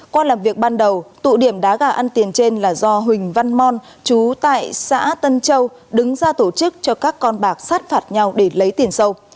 qua làm việc ban đầu tụ điểm đá gà ăn tiền trên là do huỳnh văn mon chú tại xã tân châu đứng ra tổ chức cho các con bạc sát phạt nhau để lấy tiền sâu